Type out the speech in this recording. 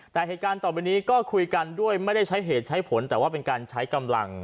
แต่เหตุการณ์ต่อไปนี้ก็คุยกันด้วยไม่ได้ใช้เหตุใช้ผลแต่ว่าเป็นการใช้กำลัง